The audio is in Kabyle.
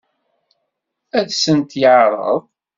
Ad sent-t-yeɛṛeḍ?